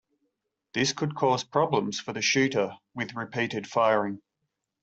This could cause problems for the shooter with repeated firing.